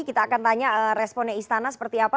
kita akan tanya responnya istana seperti apa